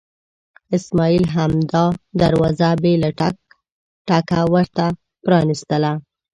اسماعیل همدا دروازه بې له ټک ټکه ورته پرانستله.